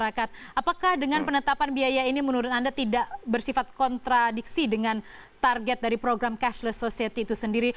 apakah dengan penetapan biaya ini menurut anda tidak bersifat kontradiksi dengan target dari program cashless society itu sendiri